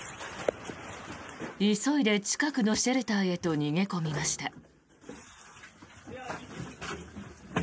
急いで近くのシェルターへと逃げ込みました。